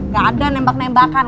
gak ada nembak nembakan